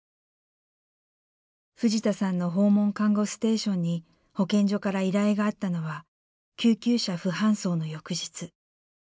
藤田さんの訪問看護ステーションに保健所から依頼があったのは救急車不搬送の翌日。